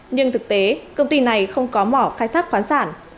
nhưng thực tế công ty này không có mỏ khai thác khoáng sản